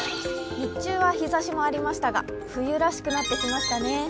日中は日ざしもありましたが、冬らしくなってきましたね。